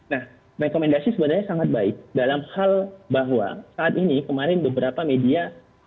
nah rekomendasi sebenarnya sangat baik dalam hal bahwa saat ini kemarin beberapa media